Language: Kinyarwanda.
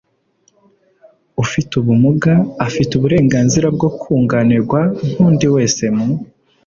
ufite ubumuga afite uburenganzira bwo kunganirwa nk'undi wese mu